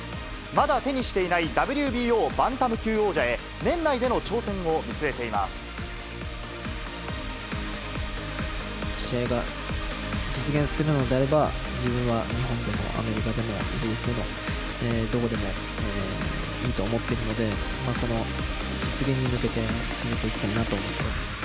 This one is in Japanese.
まだ手にしていないＷＢＯバンタム級王者へ、試合が実現するのであれば、自分は日本でもアメリカでもイギリスでも、どこでもいいと思ってるので、この実現に向けて進めていきたいなと思っています。